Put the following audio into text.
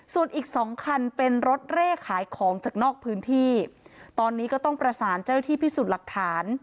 ส่วนอีกสองคันเป็นรถเร่ขายของจากนอกพื้นที่ตอนนี้ก็ต้องประสานเจ้าหน้าที่พิสูจน์หลักฐาน